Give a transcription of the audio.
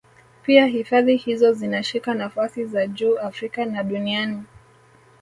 Pia hifadhi hizo zinashika nafasi za juu Afrika na duniani